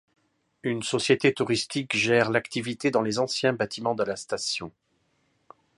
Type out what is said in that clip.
Une société touristique gère l'activité dans les anciens bâtiments de la station.